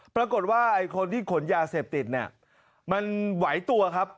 ปรากฏว่าไอ้คนที่ขนยาเสพติดเนี่ยมันไหวตัวครับ